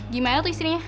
gimana tuh istrinya